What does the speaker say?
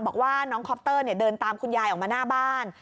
บอกว่าน้องคอปเตอร์เดินตามคุณยายออกมาหน้าบ้าน